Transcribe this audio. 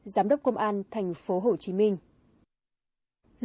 giám đốc công an thành phố hồ chí minh